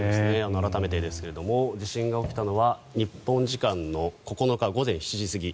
改めてですが地震が起きたのは日本時間の９日午前７時過ぎ。